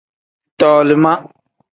Tolima.